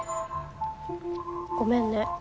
ごめんね。